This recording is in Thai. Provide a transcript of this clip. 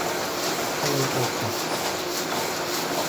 ทะเลโอค็อตสค์